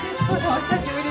お久しぶりです。